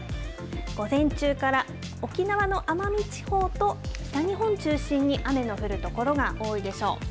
午前中から沖縄の奄美地方と北日本中心に雨の降る所が多いでしょう。